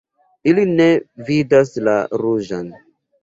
Ili ne vidas la ruĝan.